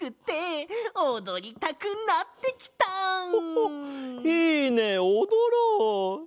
ホホッいいねおどろう！